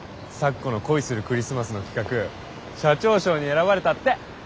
咲子の「恋するクリスマス」の企画社長賞に選ばれたって。